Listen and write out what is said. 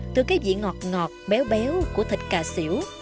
từ cái vị ngọt ngọt béo béo của thịt cà xỉu